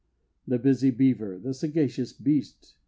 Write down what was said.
The busy Beaver that sagacious beast!